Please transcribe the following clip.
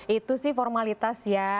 itu sih formalitas ya